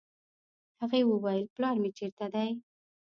هغې وويل پلار مې چېرته دی.